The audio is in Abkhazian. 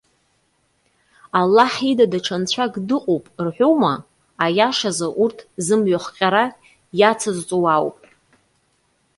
Аллаҳ ида даҽа нцәак дыҟоуп рҳәома? Аиашазы урҭ зымҩахҟьара иацызҵо уаауп.